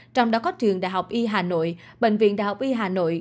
trong đó có trường đhy hà nội bệnh viện đhy hà nội